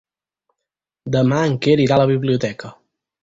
Demà en Quer irà a la biblioteca.